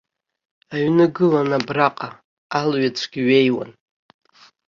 Аҩны гылан абраҟа, алҩаҵәгьы ҩеиуан.